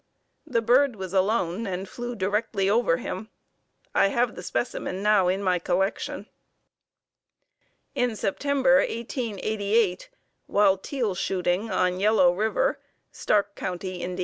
The bird was alone and flew directly over him. I have the specimen now in my collection. In September, 1888, while teal shooting on Yellow River, Stark County, Ind.